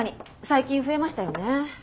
最近増えましたよね。